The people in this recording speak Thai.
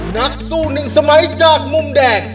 นักสู้หนึ่งสมัยจากมุมแดง